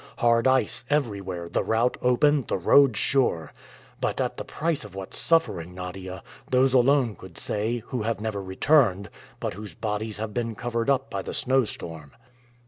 Hard ice everywhere, the route open, the road sure! But at the price of what suffering, Nadia, those alone could say, who have never returned, but whose bodies have been covered up by the snow storm."